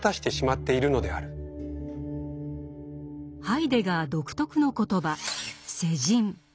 ハイデガー独特の言葉「世人」。